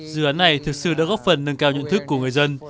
dự án này thực sự đã góp phần nâng cao nhận thức của người dân